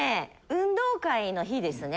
運動会の日ですね。